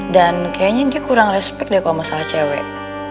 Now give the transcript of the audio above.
dan kayaknya dia kurang respect deh kalo masalah cewek